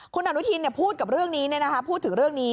คุณอนุทินพูดกับเรื่องนี้พูดถึงเรื่องนี้